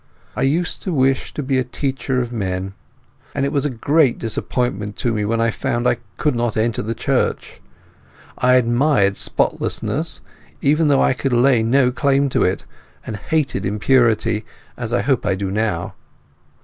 I used to wish to be a teacher of men, and it was a great disappointment to me when I found I could not enter the Church. I admired spotlessness, even though I could lay no claim to it, and hated impurity, as I hope I do now.